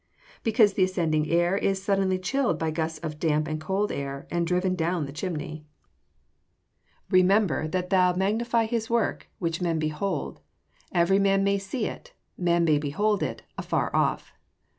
_ Because the ascending air is suddenly chilled by gusts of damp and cold air, and driven down the chimney. [Verse: "Remember that thou magnify his work, which men behold. Every man may see it; man may behold it afar off."